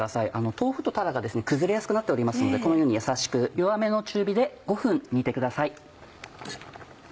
豆腐とたらが崩れやすくなっておりますのでこのようにやさしく弱めの中火で５分煮てください。